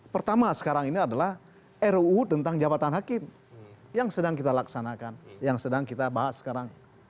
pertama sekarang ini adalah ruu tentang jabatan hakim yang sedang kita laksanakan yang sedang kita bahas sekarang